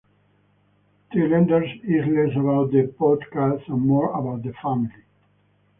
Tailenders is less about the podcast and more about the family.